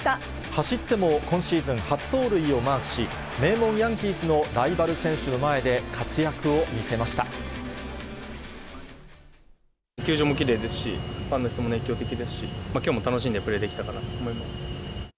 走っても、今シーズン初盗塁をマークし、名門、ヤンキースのライバル選手の前で活躍を見せま球場もきれいですし、ファンの人も熱狂的ですし、きょうも楽しんでプレーできたかなと思います。